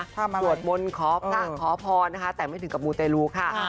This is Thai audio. สวดมนต์ขอพรแต่ไม่ถึงกับมูเตรลูคค่ะ